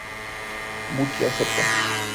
Bucky acepta.